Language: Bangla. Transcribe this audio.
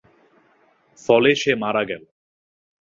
ফলে সে মারা গেল।